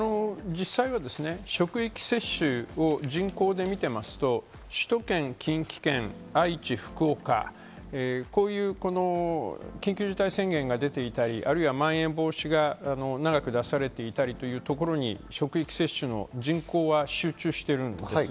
実際は職域接種を人口で見ていますと、首都圏、近畿圏、愛知、福岡、こういう緊急事態宣言が出ていたり、あるいは、まん延防止が長く出されていたりというところに職域接種の人口は集中しているんです。